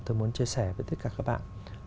tôi muốn chia sẻ với tất cả các bạn